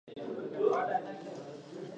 ملالۍ پر کوم ځای ودرېده؟